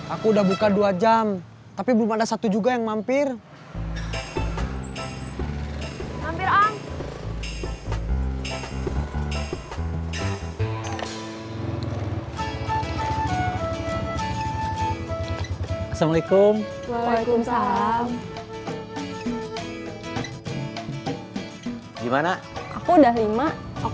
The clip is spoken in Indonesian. aku udah lima aku baru dua